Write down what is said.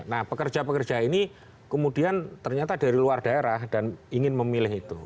nah pekerja pekerja ini kemudian ternyata dari luar daerah dan ingin memilih itu